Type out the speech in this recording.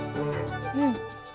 うん。